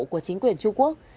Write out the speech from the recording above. của chính quyền trung quốc